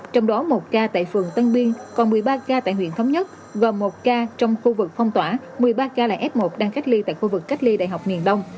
trong đó một ca tại phường tân biên còn một mươi ba ca tại huyện thống nhất và một ca trong khu vực phong tỏa một mươi ba ca là f một đang cách ly tại khu vực cách ly đại học miền đông